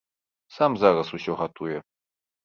Сам зараз усё гатуе.